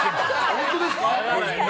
本当ですか？